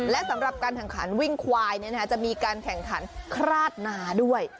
และสำหรับการแข่งขันวิ่งควายจะมีการแข่งขันคราดนาด้วย